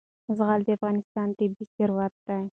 زغال د افغانستان طبعي ثروت دی.